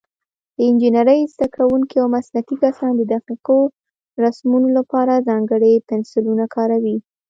د انجینرۍ زده کوونکي او مسلکي کسان د دقیقو رسمونو لپاره ځانګړي پنسلونه کاروي.